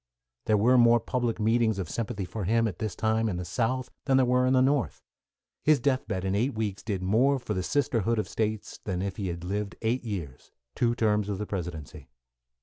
There were more public meetings of sympathy for him, at this time, in the South than there were in the North. His death bed in eight weeks did more for the sisterhood of States than if he had lived eight years two terms of the Presidency.